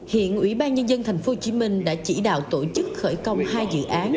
hiện ủy ban nhân dân thành phố hồ chí minh đã chỉ đạo tổ chức khởi công hai dự án